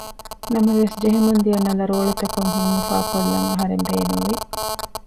ނަމަވެސް ޖެހެމުންދިޔަ ނަލަ ރޯޅިތަކުން ހިތްއުފާކޮށްލަން އަހަރެން ބޭނުންވި